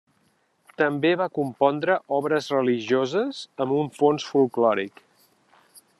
També va compondre obres religioses amb un fons folklòric.